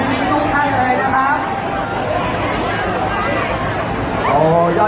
ขอบคุณมากนะคะแล้วก็แถวนี้ยังมีชาติของ